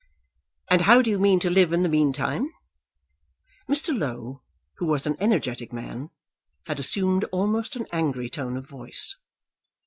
"And how do you mean to live in the meantime?" Mr. Low, who was an energetic man, had assumed almost an angry tone of voice.